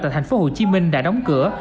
tại thành phố hồ chí minh đã đóng cửa